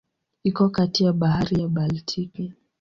Iko kati ya Bahari ya Baltiki.